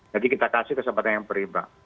jadi kita kasih kesempatan yang beribang